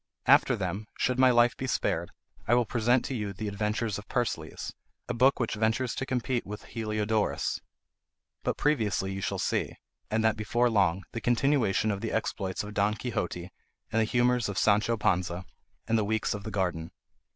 After them, should my life be spared, I will present to you the Adventures of Persiles, a book which ventures to compete with Heliodorus. But previously you shall see, and that before long, the continuation of the exploits of Don Quixote and the humours of Sancho Panza; and then the Weeks of the Garden.